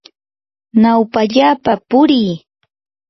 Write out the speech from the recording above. nawpallapa purii.